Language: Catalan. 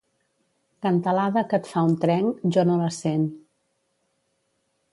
Cantalada que et fa un trenc, jo no la sent.